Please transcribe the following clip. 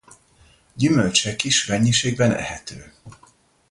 Gyümölcse kis mennyiségben ehető.